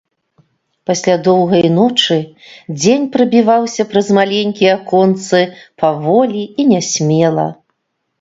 Пасля доўгай ночы дзень прабіваўся праз маленькія аконцы паволі і нясмела.